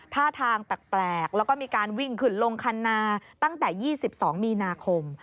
ท่าทางแปลกแล้วก็มีการวิ่งขึ้นลงคันนาตั้งแต่๒๒มีนาคม